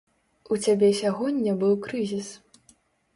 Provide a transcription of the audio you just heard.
У цябе сягоння быў крызіс.